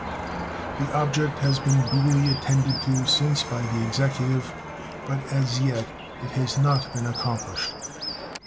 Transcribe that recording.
The object has been duly attended to since by the Executive, but as yet it has not been accomplished.